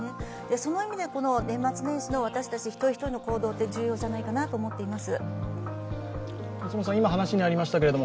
その意味で、年末年始の私たち一人一人の行動って重要じゃないかなと思っています。